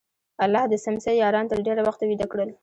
الله د څمڅې یاران تر ډېره وخته ویده کړل.